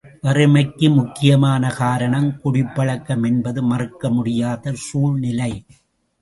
வறுமைக்கு முக்கியமான காரணம் குடிப்பழக்கம் என்பது மறுக்க முடியாத சூழ்நிலை.